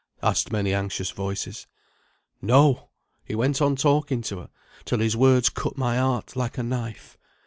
asked many anxious voices. "No! he went on talking to her, till his words cut my heart like a knife.